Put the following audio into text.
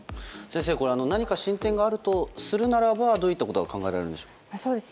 先生、何か進展があるとするならばどういったことが考えられるんでしょう？